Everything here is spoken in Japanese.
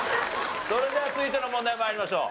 それでは続いての問題参りましょう。